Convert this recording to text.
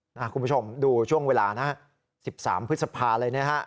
คุณผู้ชมดูช่วงเวลานะฮะ๑๓พฤษภาเลยนะฮะ